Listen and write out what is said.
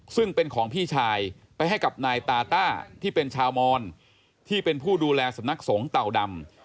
ซึ่งเป็นของพี่ชายไปให้กับนายตาต้าที่เป็นชาวมอนที่เป็นผู้ดูแลสำนักสงฆ์เต่าดำ